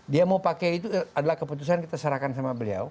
dia mau pakai itu adalah keputusan kita serahkan sama beliau